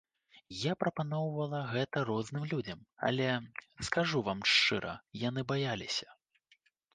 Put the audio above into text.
Я прапаноўвала гэта розным людзям, але, скажу вам шчыра, яны баяліся.